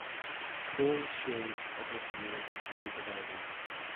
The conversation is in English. Polls showed the public remained equally divided.